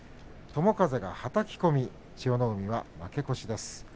友風、はたき込み千代の海は負け越しです。